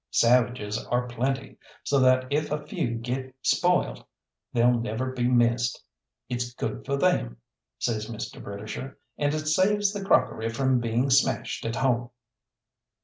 Savages are plenty, so that if a few get spoilt they'll never be missed. "It's good for them," says Mr. Britisher, "and it saves the crockery from being smashed at home."